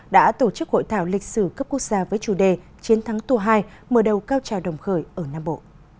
đã tổ chức hội thảo lịch sử cấp quốc gia với chủ đề chiến thắng tour hai mở đầu cao trào đồng khởi ở nam bộ